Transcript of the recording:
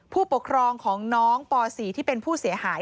ผู้ปกครองของน้องป๔ที่เป็นผู้เสียหาย